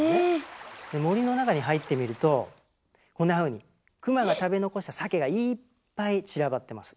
で森の中に入ってみるとこんなふうにクマが食べ残したサケがいっぱい散らばってます。